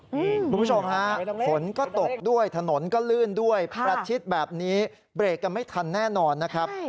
คุณผู้ชมฮะฝนก็ตกด้วยถนนก็ลื่นด้วยประชิดแบบนี้เบรกกันไม่ทันแน่นอนนะครับ